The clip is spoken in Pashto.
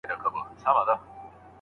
هره ورځ حلالیدل غوايی پسونه